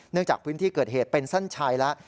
จากพื้นที่เกิดเหตุเป็นเส้นชัยแล้ว